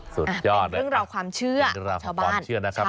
สุดยอดเลยค่ะเป็นการรับความเชื่อของชาวบ้านใช่